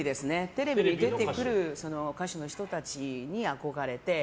テレビに出てくる歌手の人たちに憧れて。